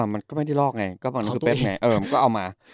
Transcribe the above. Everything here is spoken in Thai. มันก็ไม่ได้ลอกไงก็เอามา